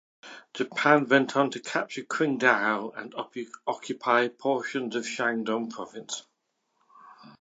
Japan went on to capture Qingdao and occupy portions of Shandong Province.